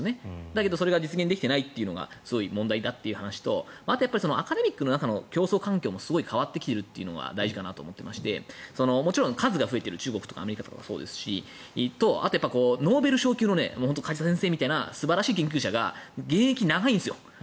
だけどそれが実現できていないのが問題だという話とアカデミックの中の競争環境もすごい変わってきているというのは大事かなと思っていましてもちろん数が増えている中国とかアメリカとかもそうですしあと、ノーベル賞級の梶田先生みたいな素晴らしい研究者が現役が長いんですよ。